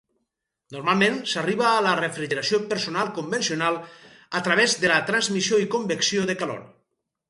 Normalment s'arriba a la refrigeració personal convencional a través de la transmissió i convecció de calor.